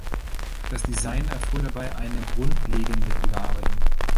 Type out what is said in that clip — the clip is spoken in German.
Das Design erfuhr dabei eine grundlegende Überarbeitung.